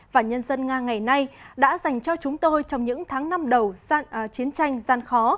và nhân dân nga ngày nay đã dành cho chúng tôi trong những tháng năm đầu chiến tranh gian khó